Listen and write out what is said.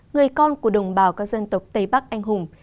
người con của đồng bào các dân tộc tây bắc anh hùng